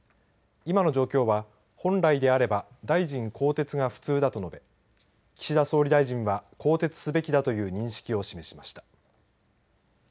今の状況は本来であれば大臣更迭が普通だと述べ岸田総理大臣は更迭すべきだという認識を示しました。